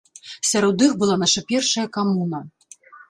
Сярод іх была наша першая камуна.